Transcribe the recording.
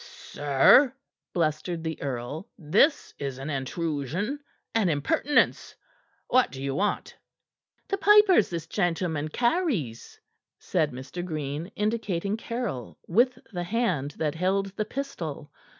"Sir," blustered the earl, "this is an intrusion; an impertinence. What do you want?" "The papers this gentleman carries," said Mr. Green, indicating Caryll with the hand that held the pistol.